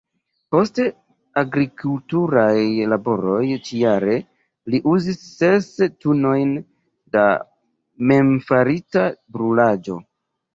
Por agrikulturaj laboroj ĉi-jare li uzis ses tunojn da memfarita brulaĵo.